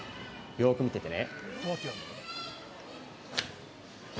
よく見ててね。